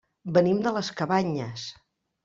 Venim de les Cabanyes.